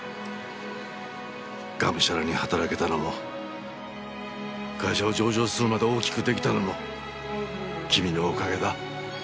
がむしゃらに働けたのも会社を上場するまで大きく出来たのも君のおかげだ。